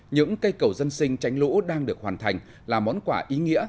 những cây cầu dân sinh tránh lũ đang được hoàn thành là món quà ý nghĩa